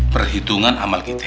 perhitungan amal kita